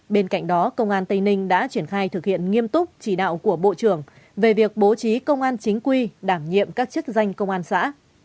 bên cạnh đó công an tây ninh đã triển khai thực hiện nghiêm túc chỉ đạo của bộ trưởng về việc bố trí công an chính quy đảm nhiệm các chức danh công an xã